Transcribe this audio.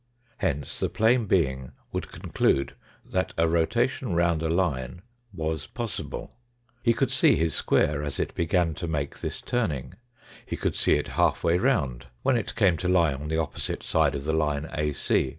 Hence the plane being would conclude that a rotation round a line was possible. He could see his square as it 14 21 TttE FOURTH DIMENSION began to make this turning. He could see it half way round when it came to lie on the opposite side of the line AC.